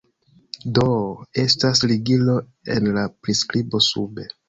Do, estas ligilo en la priskibo sube